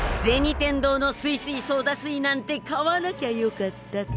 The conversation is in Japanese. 天堂のすいすいソーダ水なんて買わなきゃよかった！